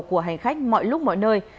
của hành khách mọi lúc mọi nơi